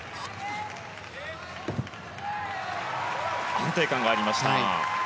安定感がありました。